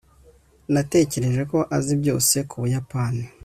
natekereje ko azi byose ku buyapani